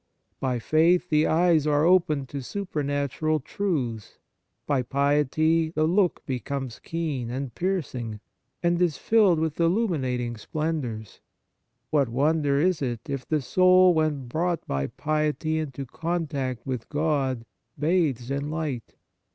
By faith the eyes are opened to supernatural truths ; by piety the look becomes keen and piercing, and is filled with illuminating splendours. What wonder is it, if the soul, when brought by piety into contact with God, bathes in light